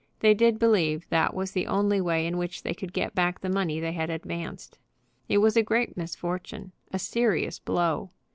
They did believe that was the only way in which they could get back the money they had advanced. It was a great misfortune, a serious blow.